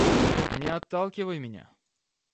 Не отталкивай меня.